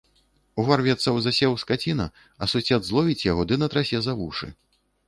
Уварвецца ў засеў скаціна, а сусед зловіць яго ды натрасе за вушы.